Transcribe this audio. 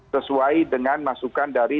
sesuai dengan masukan dari